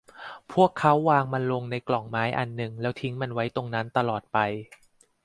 พวกเขาวางมันลงในกล่องไม้อันหนึ่งแล้วทิ้งมันไว้ตรงนั้นตลอดไป